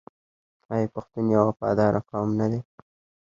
آیا پښتون یو وفادار قوم نه دی؟